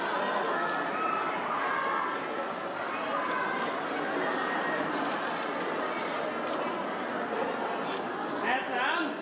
สวัสดีครับ